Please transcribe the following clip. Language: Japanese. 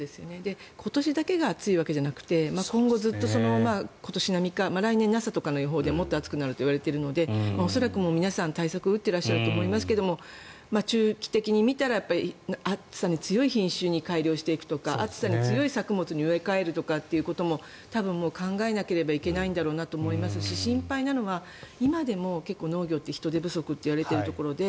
今年だけが暑いわけじゃなくて今後ずっと今年並みか来年の予報でもっと暑くなるといわれているので恐らく皆さん、対策を打ってらっしゃると思いますが中期的に見たら暑さに強い品種に改良するとか暑さに強い品種に植え替えるとか考えなきゃいけないのかなと思いますし心配なのは今でも結構農業って人手不足といわれているので